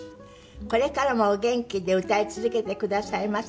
「これからもお元気で歌い続けてくださいませね」